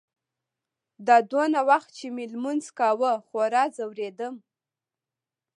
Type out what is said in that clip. دا دونه وخت چې مې لمونځ کاوه خورا ځورېدم.